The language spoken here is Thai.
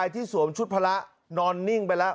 สวมชุดพละนอนนิ่งไปแล้ว